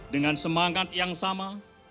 dengan semangat yang sama